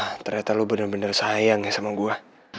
wah ternyata lo bener bener sayang ya sama gue